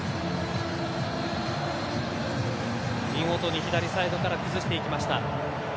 見事に左サイドから崩していきました。